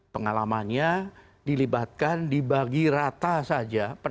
pengalamannya dilibatkan dibagi rata saja penanganannya dia akan bisa mendampingi terus